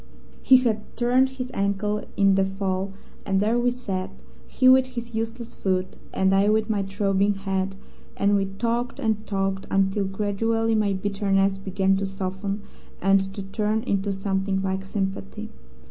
"He had turned his ankle in the fall, and there we sat, he with his useless foot, and I with my throbbing head, and we talked and talked until gradually my bitterness began to soften and to turn into something like sympathy.